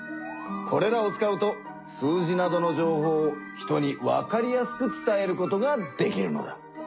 これらを使うと数字などの情報を人にわかりやすく伝えることができるのだ！